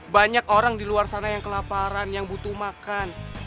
banyak orang di luar sana yang kelaparan yang butuh makan